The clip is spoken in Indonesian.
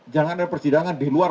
jangan ada persidangan di luar